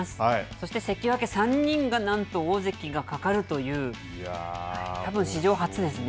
そして関脇３人がなんと大関がかかるというたぶん史上初ですね。